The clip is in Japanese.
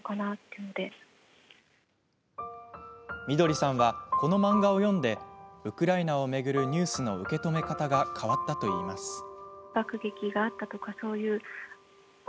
みどりさんはこの漫画を読んでウクライナを巡るニュースの受け止め方が変わったといいます。